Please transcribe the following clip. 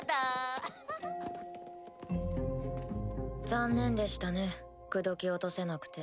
残念でしたね口説き落とせなくて。